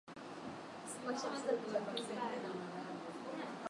Kifaa kipya cha kudhibiti ubora wa hewa nchini humo kimefadhiliwa kwa kiasi na kampuni